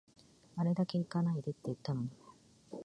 あれだけ行かないでって言ったのに